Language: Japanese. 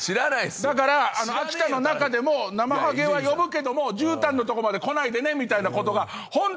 だから秋田の中でもナマハゲは呼ぶけどもじゅうたんのとこまで来ないでねみたいなことが起こってるんだ。